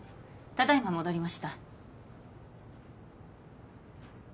ただいま戻りました